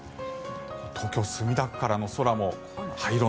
東京・墨田区からの空も灰色。